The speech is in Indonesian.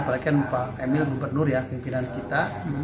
apalagi kan pak emil gubernur ya pimpinan kita